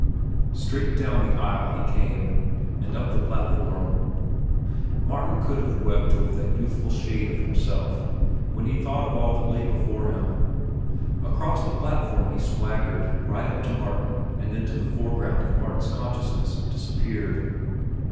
Straight down the aisle he came, and up the platform. Martin could have wept over that youthful shade of himself, when he thought of all that lay before him. Across the platform he swaggered, right up to Martin, and into the foreground of Martin's consciousness disappeared.